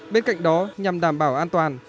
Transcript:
bên cạnh đó nhằm đảm bảo an toàn